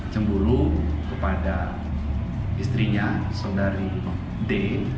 cembulu kepada istrinya saudari d